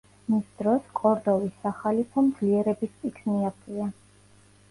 მის დროს კორდოვის სახალიფომ ძლიერების პიკს მიაღწია.